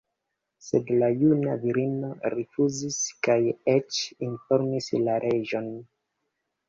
Sed la juna virino rifuzis kaj eĉ informis la reĝon.